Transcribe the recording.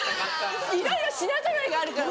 いろいろ品ぞろえがあるから。